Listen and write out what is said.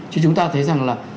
chứ chúng ta thấy rằng là